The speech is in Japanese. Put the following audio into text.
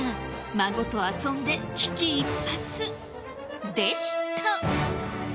孫と遊んで危機一髪でした。